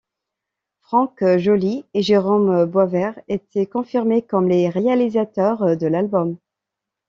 Frank Joly et Jerome Boisvert étaient confirmés comme les réalisateurs de l'album.